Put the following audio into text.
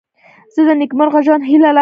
زه د نېکمرغه ژوند هیله لرم.